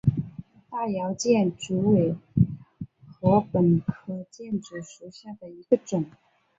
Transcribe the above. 大姚箭竹为禾本科箭竹属下的一个种。